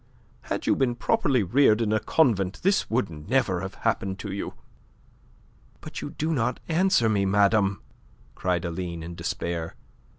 Had you been properly reared in a convent this would never have happened to you." "But you do not answer me, madame!" cried Aline in despair.